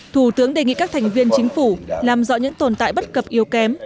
thủ tướng đề nghị các thành viên chính phủ làm rõ những tồn tại bất cập yếu kém